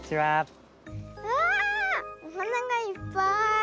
わあおはながいっぱい。